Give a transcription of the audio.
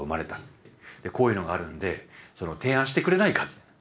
「こういうのがあるんでその提案してくれないか」。